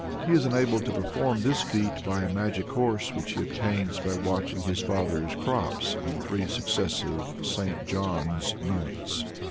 He is enabled to perform this feat by a magic horse, which he obtains by watching his father's crops on three successive St. John's Nights.